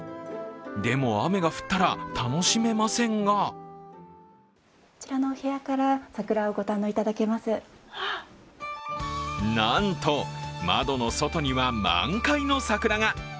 でも雨が降ったら楽しめませんがなんと、窓の外には満開の桜が。